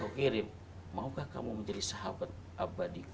oh irim maukah kamu menjadi sahabat abadi ku